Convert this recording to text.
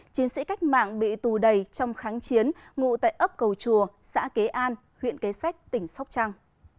chiến sĩ cách mạng bị tù đầy trong kháng chiến ngụ tại ấp cầu chùa xã kế an huyện kế sách tỉnh sóc trăng